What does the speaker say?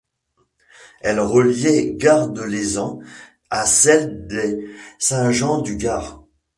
Elle reliait gare de Lézan à celle des Saint-Jean-du-Gard.